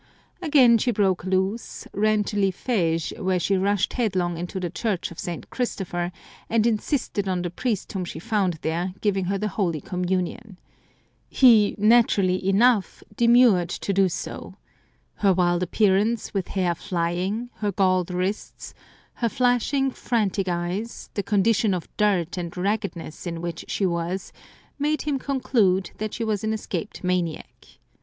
Again she broke loose, ran to Lifege, where she rushed headlong into the Church of St. Christopher, and insisted on the priest whom she found there giving her the Holy Communion. He naturally enough demurred to do so. Her wild appearance, with hair flying, her galled wrists, her flashing, frantic eyes, the condition of dirt and raggedness in which she was, made him conclude she was an escaped maniac.